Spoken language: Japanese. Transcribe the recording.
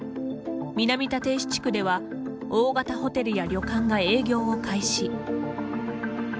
南立石地区では大型ホテルや旅館が営業を開始。